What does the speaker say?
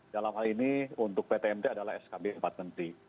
dalam hal ini untuk ptmd adalah skb empat menteri